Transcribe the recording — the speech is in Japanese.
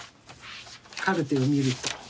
カルテを見ると。